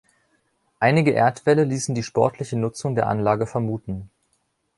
Einige Erdwälle ließen die sportliche Nutzung der Anlage vermuten.